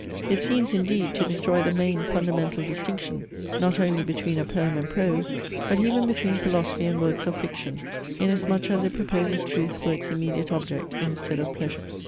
It seems, indeed, to destroy the main fundamental distinction, not only between a poem and prose, but even between philosophy and works of fiction, inasmuch as it proposes truth for its immediate object, instead of pleasure.